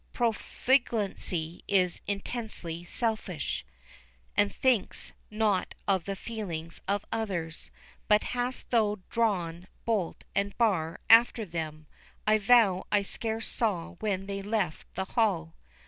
Profligacy is intensely selfish, and thinks not of the feelings of others. But hast thou drawn bolt and bar after them? I vow I scarce saw when they left the hall."